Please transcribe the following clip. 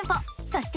そして。